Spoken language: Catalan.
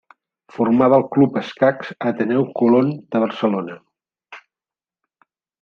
Formada al Club Escacs Ateneu Colón de Barcelona.